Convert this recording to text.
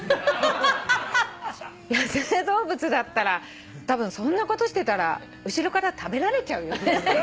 野生動物だったらたぶんそんなことしてたら後ろから食べられちゃうよね。